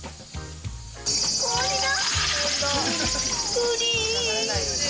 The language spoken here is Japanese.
氷だ。